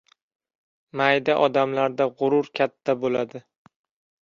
Mayda odamlarda g‘urur katta bo‘ladi.